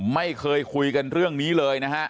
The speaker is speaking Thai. ไม่เคยคุยกันเรื่องนี้เลยนะฮะ